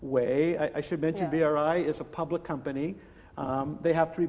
saya harus menyebutkan bri adalah perusahaan umum